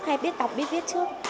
hay biết đọc biết viết trước